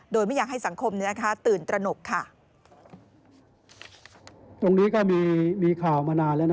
โดยไม่อยากให้สังคมตื่นตระหนกค่ะ